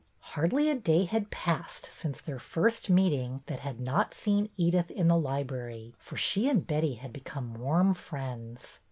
Hardly a day had passed since their first meet ing that had not seen Edyth in the library, for she and Betty had become warm friends.